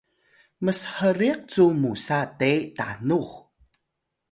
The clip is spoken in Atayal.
mshriq cu musa te tanux